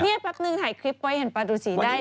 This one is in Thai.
นี่แป๊บนึงถ่ายคลิปไว้เห็นปลาดูสีได้